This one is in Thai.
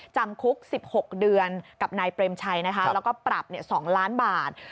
จำคุก๑๖เดือนกับนายเปรมชัยนะคะแล้วก็ปรับ๒ล้านบาท